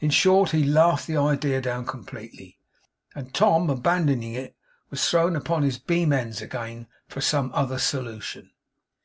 In short he laughed the idea down completely; and Tom, abandoning it, was thrown upon his beam ends again, for some other solution.